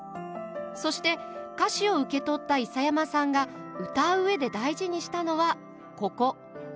そして歌詞を受け取った諫山さんが歌う上で大事にしたのはここ。